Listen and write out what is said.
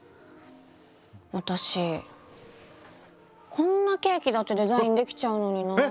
私こんなケーキだってデザインできちゃうのになぁ。